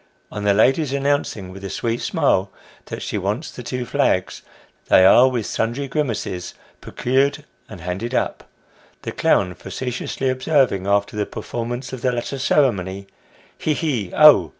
On the lady's announcing with a sweet smile that she wants the two flags, they are with sundry grimaces, procured and handed up ; the clown facetiously observing after the performance of the latter ceremony " He, he, oh